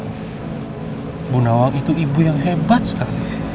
ibu nawang itu ibu yang hebat sekali